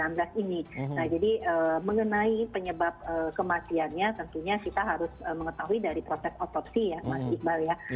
nah jadi mengenai penyebab kematiannya tentunya kita harus mengetahui dari proses otopsi ya mas iqbal ya